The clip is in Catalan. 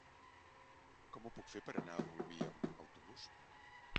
Com ho puc fer per anar a Bolvir amb autobús?